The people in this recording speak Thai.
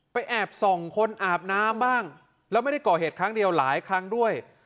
แอบส่องคนอาบน้ำบ้างแล้วไม่ได้ก่อเหตุครั้งเดียวหลายครั้งด้วย